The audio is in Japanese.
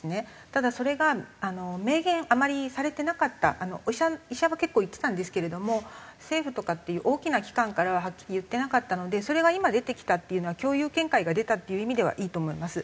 ただそれが明言あまりされてなかった医者は結構言ってたんですけれども政府とかっていう大きな機関からははっきり言ってなかったのでそれが今出てきたっていうのは共有見解が出たっていう意味ではいいと思います。